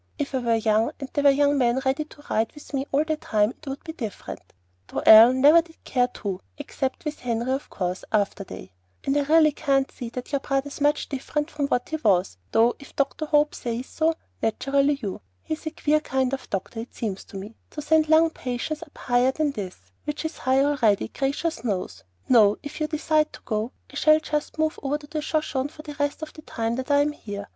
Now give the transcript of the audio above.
"If I were young, and there were young men ready to ride with me all the time, it would be different; though Ellen never did care to, except with Henry of course, after they And I really can't see that your brother's much different from what he was, though if Dr. Hope says so, naturally you He's a queer kind of doctor, it seems to me, to send lung patients up higher than this, which is high already, gracious knows. No; if you decide to go, I shall just move over to the Shoshone for the rest of the time that I'm here.